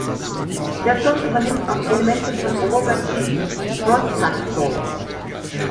Der Song übernimmt auch Elemente von Albert Kings "Cross-Cut Saw".